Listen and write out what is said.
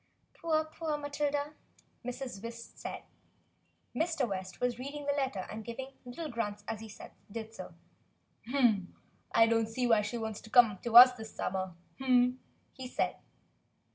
"Poor, poor Matilda," Mrs. West said. Mr. West was reading the letter and giving little grunts as he did so. "I don't see why she wants to come to us this sum mer," he said.